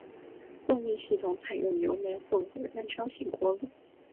动力系统采用油煤混合燃烧型锅炉。